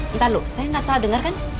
entar lu saya gak salah denger kan